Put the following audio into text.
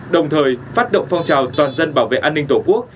đồng thời phát động phong trào toàn dân bảo vệ an ninh tổ quốc